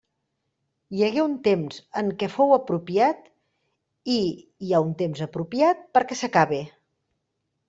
Hi hagué un temps en què fou apropiat, i hi ha un temps apropiat perquè s'acabe.